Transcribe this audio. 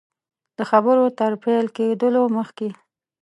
د خبرو تر پیل کېدلو مخکي.